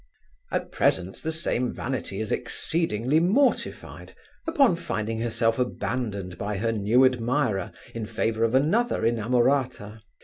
At present, the same vanity is exceedingly mortified, upon finding herself abandoned by her new admirer, in favour of another inamorata.